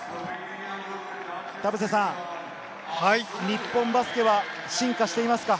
日本バスケは進化していますか？